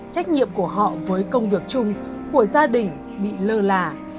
trách nhiệm của họ với công việc chung của gia đình bị lơ là